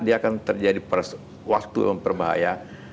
dia akan terjadi waktu yang berbahaya